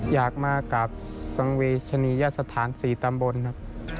อยากมากับสังเวชนียสถาน๔ตำบลครับ